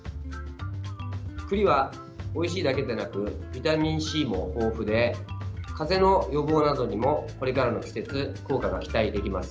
栗はおいしいだけでなくビタミンＣも豊富でかぜの予防などにもこれからの季節効果が期待できます。